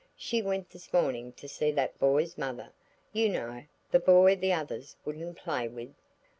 She went this morning to see that boy's mother–you know, the boy the others wouldn't play with?"